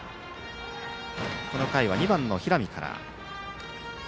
この回は２番の平見から。